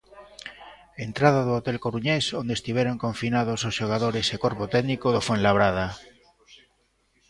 Entrada do hotel coruñés onde estiveron confinados os xogadores e corpo técnico do Fuenlabrada.